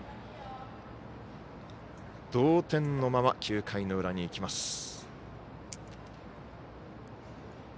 同点のまま９回の裏に行きます。